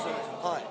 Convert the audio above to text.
はい。